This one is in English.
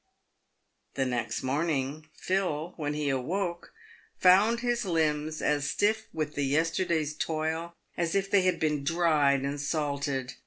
The next morning, Phil, when he awoke, found his limbs as stiff with the yesterday's toil as if they had been dried and salted.